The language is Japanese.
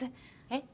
え？